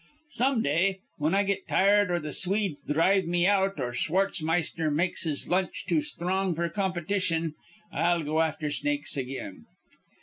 Some day, whin I get tired or th' Swedes dhrive me out or Schwartzmeister makes his lunch too sthrong f'r competition, I'll go afther Snakes again.